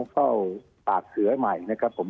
เข้าปากเสือใหม่นะครับผม